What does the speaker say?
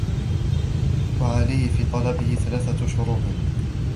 وَعَلَيْهِ فِي طَلَبِهِ ثَلَاثَةُ شُرُوطٍ